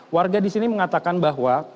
warga di sini mengatakan bahwa